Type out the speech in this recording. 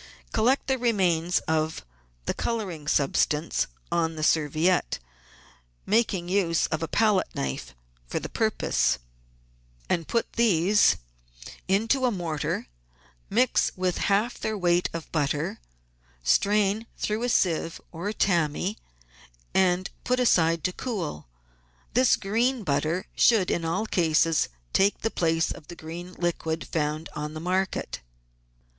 Collect the remains of the colouring substance on the serviette, making use of a palette knife for the purpose, and put these into a mortar ; mix with half their weight of butter, strain through a sieve or tammy, and put aside to cool. This green butter should in all cases take the place of the liquid green found on the market.